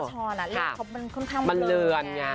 แต่ของพี่อรชรน่ะเลขมันคุณค่อนข้างเหลือเนี่ย